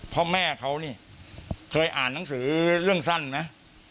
พ่อแม่เขานี่เคยอ่านหนังสือเรื่องสั้นไหม